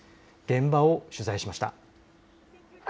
現場を取材しました。